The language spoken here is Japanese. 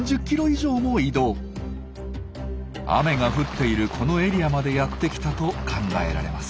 雨が降っているこのエリアまでやって来たと考えられます。